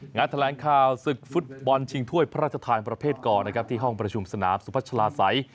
งานแถลงข่าวศึกฟุตบอลชิงถ้วยพระราชทานประเภทกรนะครับที่ห้องประชุมสนามสุพัชลาศัย